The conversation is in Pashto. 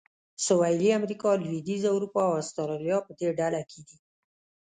سویلي امریکا، لوېدیځه اروپا او اسټرالیا په دې ډله کې دي.